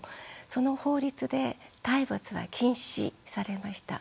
その法律で体罰は禁止されました。